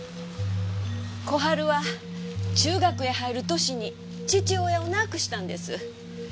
小春は中学へ入る年に父親を亡くしたんです。